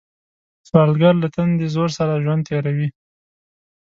سوالګر له تندي زور سره ژوند تېروي